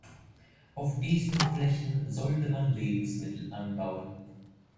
Auf diesen Flächen sollte man Lebensmittel anbauen.